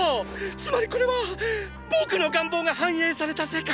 つまりこれは僕の願望が反映された世界！